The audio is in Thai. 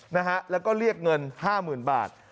นะฮะแล้วก็เรียกเงิน๕๐๐๐๐บาท